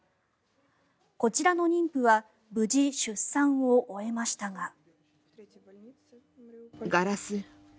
こちらの妊婦は無事出産を終えましたが。